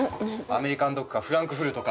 アメリカンドッグかフランクフルトか。